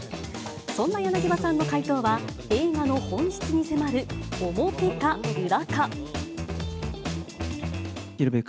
そんな柳葉さんの回答は、映画の本質に迫る、表か裏か。